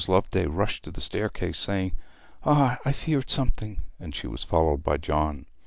Loveday rushed to the staircase, saying, 'Ah, I feared something!' and she was followed by John.